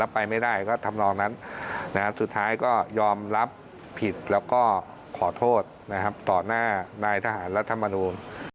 ผิดแล้วก็ขอโทษนะครับต่อหน้านายทหารรัฐมนุม